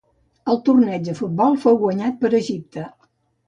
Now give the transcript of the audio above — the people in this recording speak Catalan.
El torneig de futbol fou guanyat per Egipte.